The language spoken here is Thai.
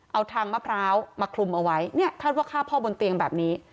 เอาทางมะพร้าวมาคลุมเอาไว้เนี่ยคาดว่าฆ่าพ่อบนเตียงแบบนี้